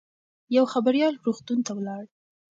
یو خبریال روغتون ته ولاړ.